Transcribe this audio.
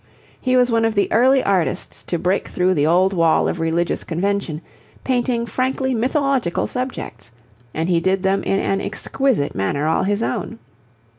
He was one of the early artists to break through the old wall of religious convention, painting frankly mythological subjects, and he did them in an exquisite manner all his own.